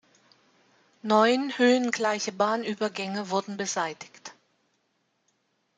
Neun höhengleiche Bahnübergänge wurden beseitigt.